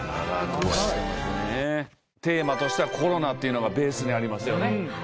テーマとしてはコロナっていうのがベースにありますよね。